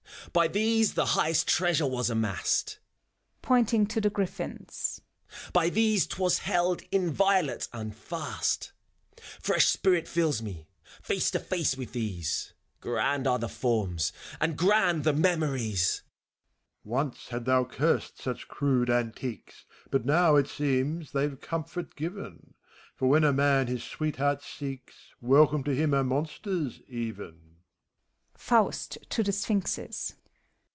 By these the highest treasure was amassed: {Pointing to the Griffins.) • By these 't was held inviolate and fast : Fresh spirit fills me, face to face with these — Grand are the Forms, and grand the Memories! MEPHISTOPHELES. Once thou hadst cursed such crude antiques, But now, it seems, they've comfort given; For when a man his sweetheart seeks, Welcome to him are monsters, even.